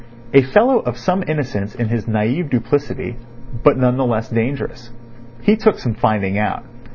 A fellow of some innocence in his naive duplicity, but none the less dangerous. He took some finding out.